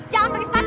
jangan pakai sepatu